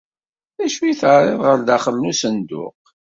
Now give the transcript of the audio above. D acu i terriḍ ɣer daxel n tsenduqt?